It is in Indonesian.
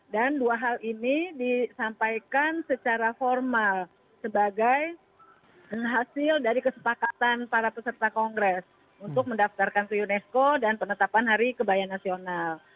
dan dua hal ini disampaikan secara formal sebagai hasil dari kesepakatan para peserta kongres untuk mendaftarkan ke unesco dan penetapan hari kebaya nasional